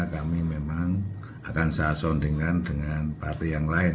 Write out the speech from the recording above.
kami memang akan saya son dengan partai yang lain